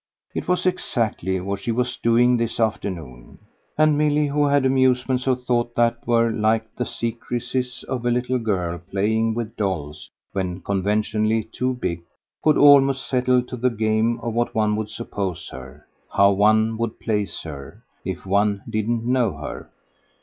It was exactly what she was doing this afternoon; and Milly, who had amusements of thought that were like the secrecies of a little girl playing with dolls when conventionally "too big," could almost settle to the game of what one would suppose her, how one would place her, if one didn't know her.